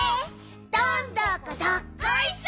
どんどこどっこいしょ！